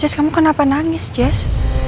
jess kamu kenapa nangis jess